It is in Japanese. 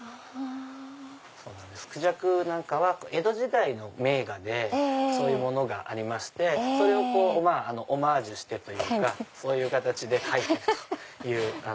クジャクなんかは江戸時代の名画でそういうものがありましてそれをオマージュしてというかそういう形で描いてるという。